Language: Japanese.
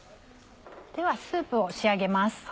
ではスープを仕上げます。